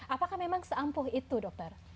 apakah memang seampuh itu dokter